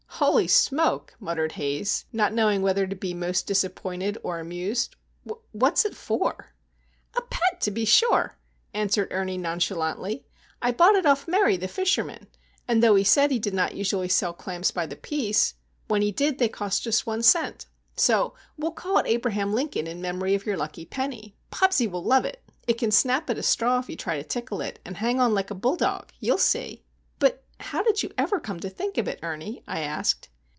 "Holy smoke!" muttered Haze, not knowing whether to be most disappointed or amused. "Wh what's it for?" "A pet, to be sure!" answered Ernie, nonchalantly. "I bought it of Murray, the fishman, and, though he said he did not usually sell clams by the piece, when he did they cost just one cent. So we'll call it Abraham Lincoln in memory of your lucky penny. Bobsie will love it! It can snap at a straw if you try to tickle it, and hang on like a bulldog. You'll see." "But how did you ever come to think of it, Ernie?" I asked.